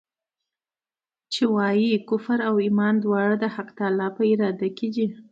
چي وايي کفر او ایمان دواړه د حق متعال په اراده کي دي.